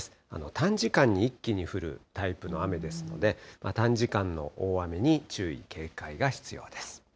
短時間に一気に降るタイプの雨ですので、短時間の大雨に注意、警戒が必要です。